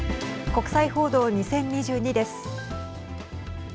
国際報道２０２２です。